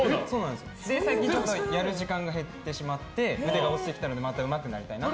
最近ちょっとやる時間が減ってしまって腕が落ちてきたのでまたうまくなりたいなと。